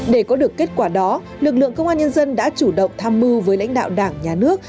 để có được kết quả đó lực lượng công an nhân dân đã chủ động tham mưu với lãnh đạo đảng nhà nước